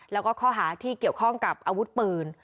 แล้วก็ข้อหาที่เกี่ยวข้องกับอาวุธปืน